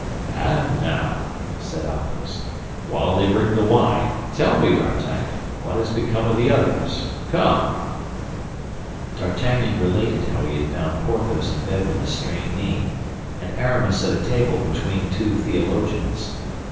"And now," said Athos, "while they bring the wine, tell me, D'Artagnan, what has become of the others, come!" D'Artagnan related how he had found Porthos in bed with a strained knee, and Aramis at a table between two theologians.